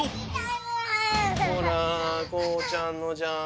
ほらこうちゃんのじゃん！